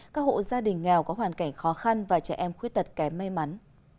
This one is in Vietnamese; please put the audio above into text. các hộ gia đình nghèo có hoàn cảnh khó khăn và trẻ em khuyết tật kém may mắn